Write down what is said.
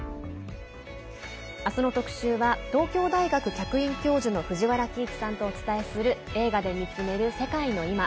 あすの特集は東京大学客員教授の藤原帰一さんとお伝えする「映画で見つめる世界のいま」。